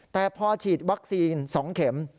แต่พอฉีดวัคซีน๒เข็ม